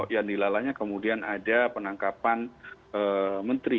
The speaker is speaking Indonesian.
yang dilalanya kemudian ada penangkapan menteri